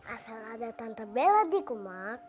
asal ada tante bella di kumar